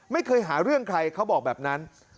ไม่เคยหาเรื่องใครเขาบอกแบบนั้น